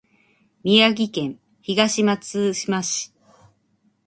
宮城県東松島市